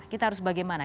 kita harus bagaimana